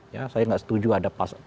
ya saya nggak setuju ada